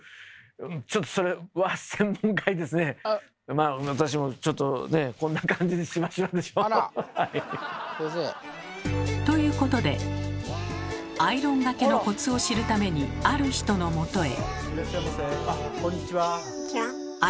まあ私もちょっとねということでアイロンがけのコツを知るためにある人のもとへ。